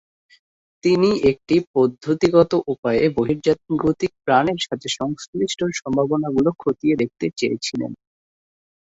তিনি একটি পদ্ধতিগত উপায়ে বহির্জাগতিক প্রাণের সাথে সংশ্লিষ্ট সম্ভাবনা গুলো খতিয়ে দেখতে চেয়েছিলেন।